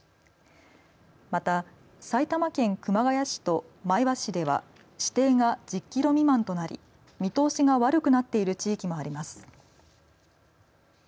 また、埼玉県熊谷市と前橋市では視程が１０キロ未満となり見通しが悪くなっている地域もあります。